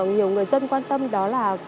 nhiều người dân quan tâm đó là